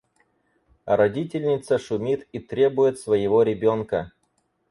А родительница шумит и требует своего ребёнка.